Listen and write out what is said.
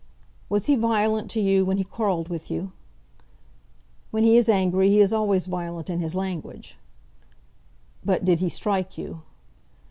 "Was he violent to you when he quarrelled with you?" "When he is angry he is always violent in his language." "But, did he strike you?"